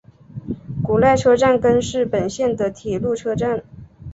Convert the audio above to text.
古濑车站根室本线的铁路车站。